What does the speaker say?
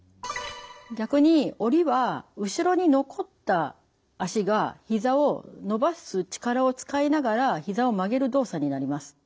逆に下りは後ろに残った脚がひざを伸ばす力を使いながらひざを曲げる動作になります。